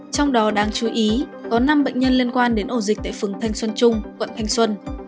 trong đó đáng chú ý có năm bệnh nhân liên quan đến ổ dịch tại phường thanh xuân trung quận thanh xuân